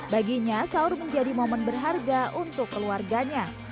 baginya sahur menjadi momen berharga untuk keluarganya